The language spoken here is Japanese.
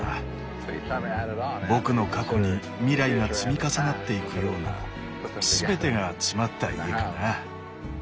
僕の過去に未来が積み重なっていくような全てが詰まった家かな。